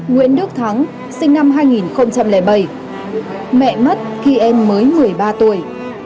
nguyễn đức thắng sinh năm hai nghìn bảy mẹ mất khi em mới một mươi ba tuổi